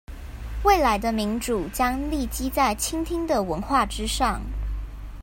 未來的民主將立基在傾聽的文化之上